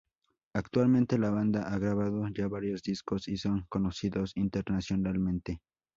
Actualmente la banda ha grabado ya varios discos y son conocidos internacionalmente.